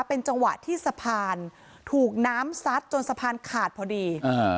เป็นจังหวะที่สะพานถูกน้ำซัดจนสะพานขาดพอดีอ่า